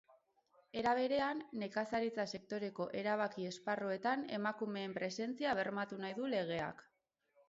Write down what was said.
Era berean, nekazaritza sektoreko erabaki esparruetan emakumeen presentzia bermatu nahi du legeak.